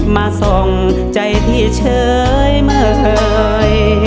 มาส่องใจที่เฉยเมื่อเคย